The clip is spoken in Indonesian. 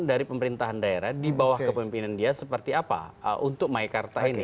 dari pemerintahan daerah di bawah kepemimpinan dia seperti apa untuk maikarta ini